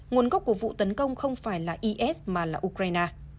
nguồn gốc của vụ tấn công không phải là is mà là ukraine